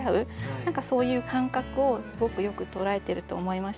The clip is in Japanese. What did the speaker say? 何かそういう感覚をすごくよく捉えてると思いました。